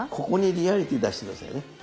ここにリアリティー出して下さいね。